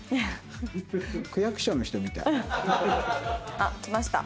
あっきました。